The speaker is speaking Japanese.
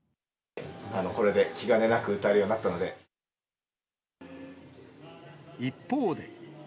これで気兼ねなく歌えるよう一方で。